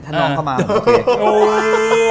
ถ้าน้องเข้ามาโอเค